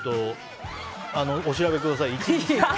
お調べください。